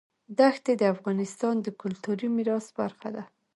ښتې د افغانستان د کلتوري میراث برخه ده.